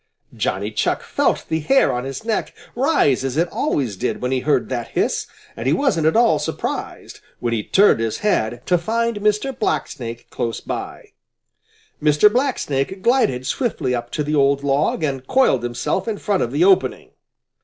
Johnny Chuck felt the hair on his neck rise as it always did when he heard that hiss, and he wasn't at all surprised, when he turned his head, to find Mr. Blacksnake close by. Mr. Blacksnake glided swiftly up to the old log and coiled himself in front of the opening.